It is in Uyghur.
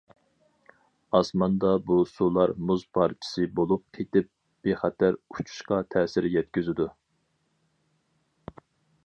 ئاسماندا بۇ سۇلار مۇز پارچىسى بولۇپ قېتىپ، بىخەتەر ئۇچۇشقا تەسىر يەتكۈزىدۇ.